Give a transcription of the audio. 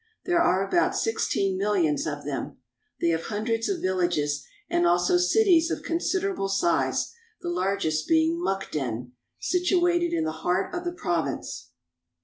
There are about sixteen milUons of them. They have hundreds of villages, and also cities of considerable size, the largest being Mukden, situated in the heart of the province.